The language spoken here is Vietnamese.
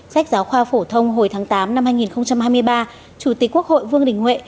sách giáo khoa phổ thông hồi tháng tám năm hai nghìn hai mươi ba chủ tịch quốc hội vương đình huệ